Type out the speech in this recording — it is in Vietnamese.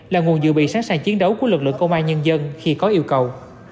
là nguồn dự bị sẵn sàng chiến đấu của lực lượng công an nhân dân khi có yêu cầu